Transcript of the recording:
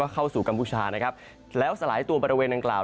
เข้าสู่กัมพูชานะแล้วสลายตัวประเมนอังกษ์ดังนั้น